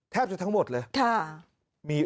แทบจะทั้งหมดเลย